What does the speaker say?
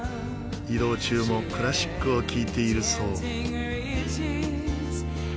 移動中もクラシックを聴いているそう。